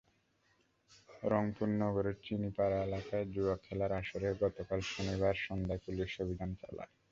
রংপুর নগরের চিনিয়াপাড়া এলাকায় জুয়া খেলার আসরে গতকাল শনিবার সন্ধ্যায় পুলিশ অভিযান চালায়।